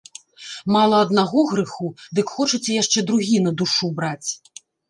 Мала аднаго грэху, дык хочаце яшчэ другі на душу браць!